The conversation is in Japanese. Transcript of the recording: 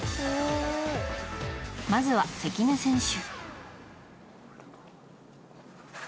まずは、関根選手。